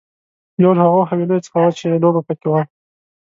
یو له هغو حويليو څخه وه چې لوبه پکې وه.